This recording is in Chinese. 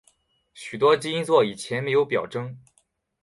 许多基因座以前没有表征。